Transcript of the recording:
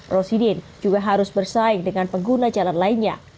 rosidin juga harus bersaing dengan pengguna jalan lainnya